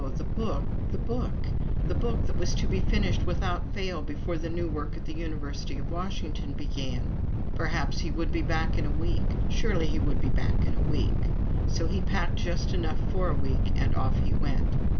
the Book, the Book the Book that was to be finished without fail before the new work at the University of Washington began! Perhaps he would be back in a week! Surely he would be back in a week! So he packed just enough for a week, and off he went.